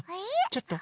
ちょっと。